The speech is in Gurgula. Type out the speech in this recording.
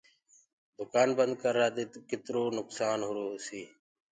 دُڪآن بنٚد ڪررآ دي ڪِترو نُڪسآن هرو هوسيٚ